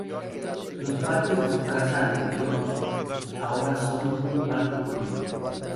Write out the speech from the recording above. Los patios de su casa anterior ahora son un parque público.